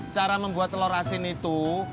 cara membuat telur asin itu